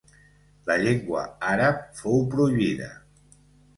La llengua àrab fou prohibida.